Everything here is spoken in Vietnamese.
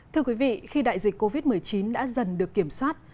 thưa quý vị khi đại dịch covid một mươi chín đã dần được kiểm soát